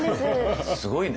すごいね。